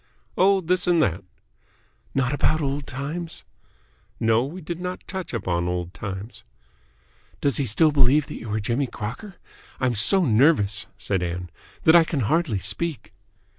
"Oh, this and that." "Not about old times?" "No, we did not touch upon old times." "Does he still believe that you are Jimmy Crocker? I'm so nervous," said Ann, "that I can hardly speak."